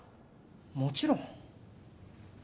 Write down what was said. もちろん。